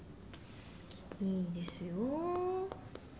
いいですよ。